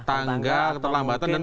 tanggal atau lambatan